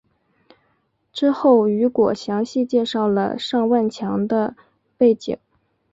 之后雨果详细介绍了尚万强的背景。